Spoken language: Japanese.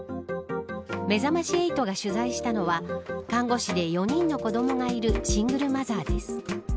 めざまし８が取材したのは看護師で４人の子どもがいるシングルマザーです。